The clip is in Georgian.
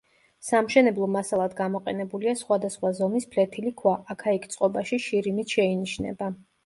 სამშენებლო მასალად გამოყენებულია სხვადასხვა ზომის ფლეთილი ქვა, აქა-იქ წყობაში შირიმიც შეინიშნება.